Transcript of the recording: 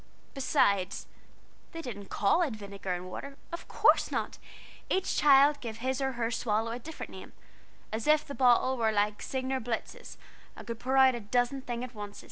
Beside, they didn't call it vinegar and water of course not! Each child gave his or her swallow a different name, as if the bottle were like Signor Blitz's and could pour out a dozen things at once.